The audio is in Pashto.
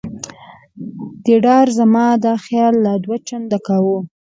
دې ډار زما دا خیال لا دوه چنده کاوه.